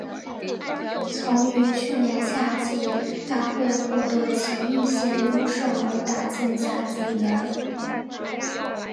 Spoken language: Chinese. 曾于去年夏季大会获得崎玉县优胜而打进甲子园。